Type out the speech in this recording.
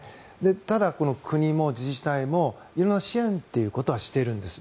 ただ、国も自治体も色んな支援ということはしているんです。